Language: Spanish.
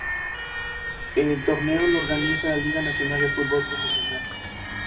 El torneo lo organiza la Liga Nacional de Fútbol Profesional.